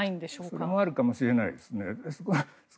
それもあるかもしれないですね。